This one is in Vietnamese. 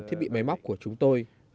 thiết bị máy móc của chúng tôi